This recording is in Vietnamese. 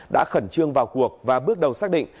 đã khẩn trương vào cuộc và bước đầu xác định